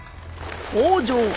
北条。